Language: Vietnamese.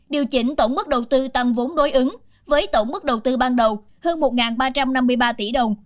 điều chỉnh tổng mức đầu tư tăng vốn đối ứng với tổng mức đầu tư ban đầu hơn một ba trăm năm mươi ba tỷ đồng